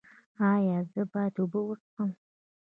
ایا زه باید اوبه وڅښم؟